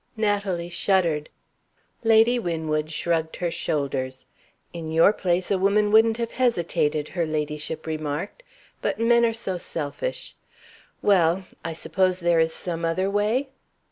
Natalie shuddered; Lady Winwood shrugged her shoulders. "In your place a woman wouldn't have hesitated," her ladyship remarked. "But men are so selfish. Well! I suppose there is some other way?"